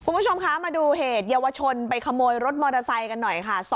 คุณผู้ชมคะมาดูเหตุเยาวชนไปขโมยรถมอเตอร์ไซค์กันหน่อยค่ะ